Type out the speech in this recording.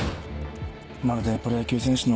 まるでプロ野球選手の。